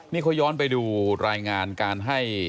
นี่เขาย้อนไปดูรายงานการให้